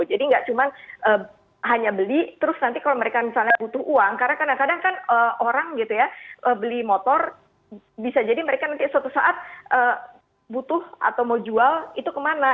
jadi enggak cuma hanya beli terus nanti kalau mereka misalnya butuh uang karena kadang kadang kan orang gitu ya beli motor bisa jadi mereka nanti suatu saat butuh atau mau jual itu kemana